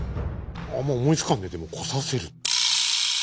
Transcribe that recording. あんま思いつかんねでも。来させる？